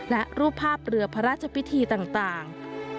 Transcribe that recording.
และรูปภาพเรือพระราชพิธีต่าง